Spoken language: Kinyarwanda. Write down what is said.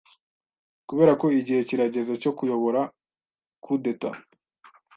Kuberako igihe kirageze cyo kuyobora coup d'Etat